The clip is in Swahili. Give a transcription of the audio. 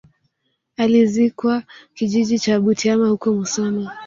Alizikwa kijiji cha Butiama huko musoma